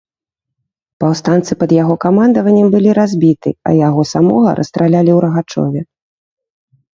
Паўстанцы пад яго камандаваннем былі разбіты, а яго самога расстралялі ў Рагачове